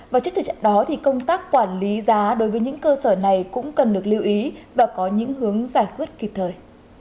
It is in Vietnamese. và trước thử trận đó thì công tác quản lý giá đối với những cơ sở này cũng cần được lưu ý và có những hướng giải quyết kịp thời